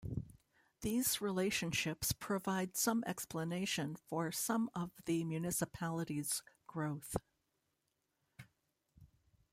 These relationships provide some explanation for some of the municipalities growth.